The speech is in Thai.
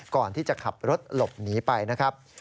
ก่อนที่จะขับรถหลบหนีไปนะครับ